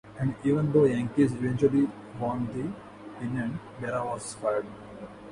And even though the Yankees eventually won the pennant, Berra was fired.